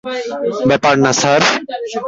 ব্যাপার না, স্যার।